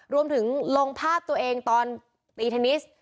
รวมถึงลงภาพตัวเองตอนตีเทนนิส